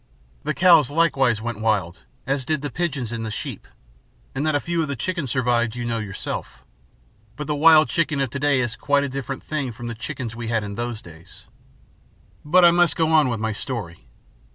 The cows likewise went wild, as did the pigeons and the sheep. And that a few of the chickens survived you know yourself. But the wild chicken of to day is quite a different thing from the chickens we had in those days. "But I must go on with my story.